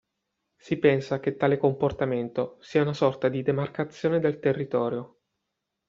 Si pensa che tale comportamento sia una sorta di demarcazione del territorio.